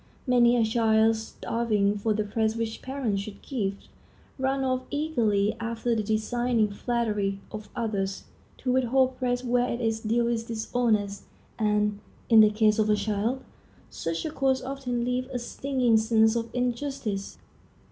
Many a child, starving for the praise which parents should give, runs off eagerly after the designing flattery of others. To withhold praise where it is due is dishonest, and, in the case of a child, such a course often leaves a stinging sense of injustice.